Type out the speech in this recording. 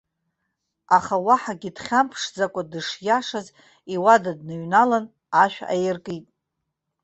Аха уаҳагьы дхьамԥшӡакәа дышиашаз иуада дныҩналан, ашә аиркит.